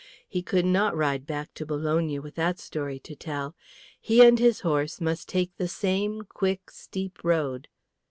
He could not ride back to Bologna with that story to tell; he and his horse must take the same quick, steep road.